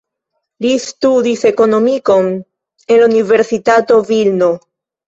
Li studis ekonomikon en la Universitato Vilno.